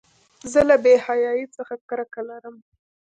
زه له بېحیایۍ څخه کرکه لرم.